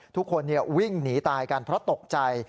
ทุกคนวิ่งหนีตายกันเพราะตกใจ